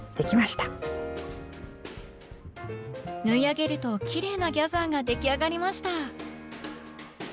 縫い上げるとキレイなギャザーができあがりました！